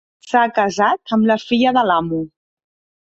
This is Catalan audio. S'ha casat amb la filla de l'amo.